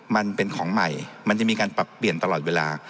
มันเป็นของใหม่มันจะมีการปรับเปลี่ยนตลอดเวลา